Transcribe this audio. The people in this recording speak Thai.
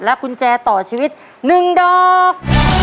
กุญแจต่อชีวิต๑ดอก